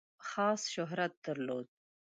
خاص شهرت درلود.